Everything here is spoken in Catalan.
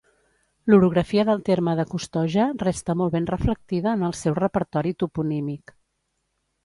L'orografia del terme de Costoja resta molt ben reflectida en el seu repertori toponímic.